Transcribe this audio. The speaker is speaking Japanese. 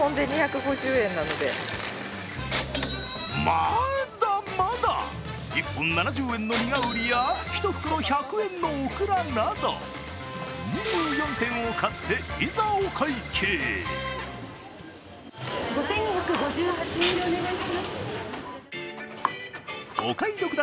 まだまだ、１本７０円のニガウリや、１袋１００円のオクラなど、２４点を買って、いざお会計！